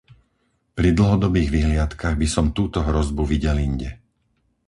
Pri dlhodobých vyhliadkach by som túto hrozbu videl inde.